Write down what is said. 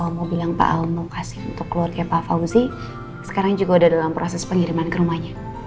kalau soal mobil yang pak al mau kasih untuk keluarga pak fauzi sekarang juga udah dalam proses pengiriman ke rumahnya